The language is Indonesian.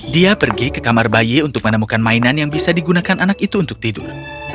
dia pergi ke kamar bayi untuk menemukan mainan yang bisa digunakan anak itu untuk tidur